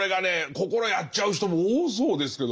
心をやっちゃう人も多そうですけど。